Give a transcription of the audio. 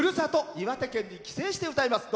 岩手県に帰省して歌います。